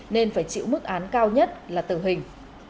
nên phải chịu mức án cao nhất là tử hình